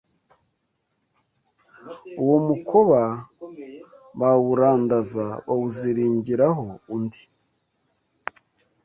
Uwo mukoba bawuranda(bawuziringiraho)undi